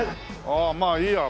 ああまあいいや。